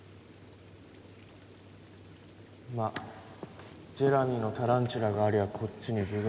まあジェラミーのタランチュラがありゃこっちに分が。